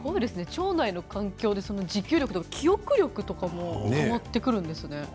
腸内の環境で持久力とか記憶力とかも変わってくるんですね。